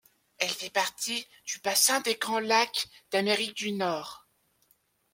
Elle fait partie du bassin des Grands Lacs d'Amérique du Nord.